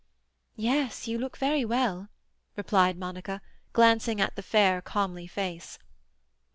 "Yes, you look very well," replied Monica, glancing at the fair, comely face.